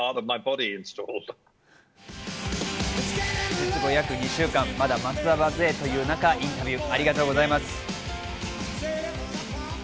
術後約２週間、まだ松葉杖という中、インタビューありがとうございます。